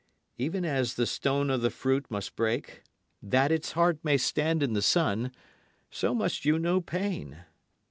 Even as the stone of the fruit must break, that its heart may stand in the sun, so must you know pain.